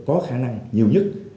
có khả năng nhiều nhất